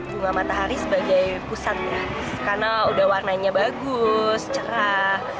bunga matahari sebagai pusat gratis karena udah warnanya bagus cerah